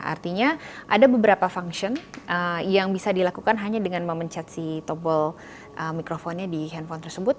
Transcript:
artinya ada beberapa function yang bisa dilakukan hanya dengan memencet si tombol mikrofonnya di handphone tersebut